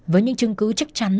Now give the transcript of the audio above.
với những chứng cứ chắc chắn